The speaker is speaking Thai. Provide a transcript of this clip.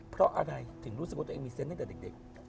เพราะอะไรถึงรู้สึกว่าตัวเองมีเซนต์ตั้งแต่เด็ก